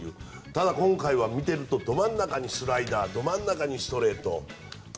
ただ、今回は見ているとど真ん中にスライダーど真ん中にストレート。